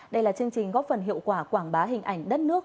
đây là chương trình góp phần hiệu quả quảng bá hình ảnh đất nước